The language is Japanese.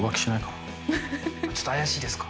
ちょっと怪しいですか？